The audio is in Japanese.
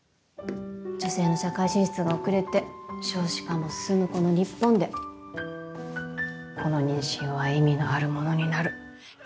女性の社会進出が遅れて少子化も進むこの日本でこの妊娠は意味のあるものになる。